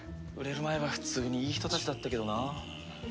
売れる前は普通にいい人たちだったけどなあ。